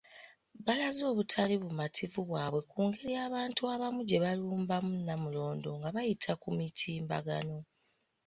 Balaze obutali bumativu bwabwe ku ngeri abantu abamu gyebalumbamu Namulondo nga bayita ku mitimbagano.